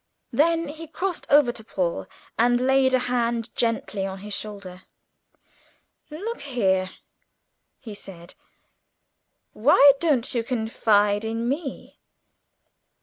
Then he crossed over to Paul and laid a hand gently on his shoulder. "Look here," he said: "why don't you confide in me?